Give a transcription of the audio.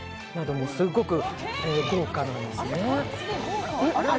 すごく豪華なんですね。